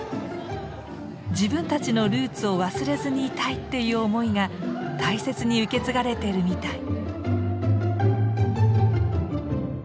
自分たちのルーツを忘れずにいたいっていう思いが大切に受け継がれてるみたい。